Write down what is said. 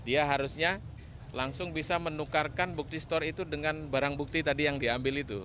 dia harusnya langsung bisa menukarkan bukti store itu dengan barang bukti tadi yang diambil itu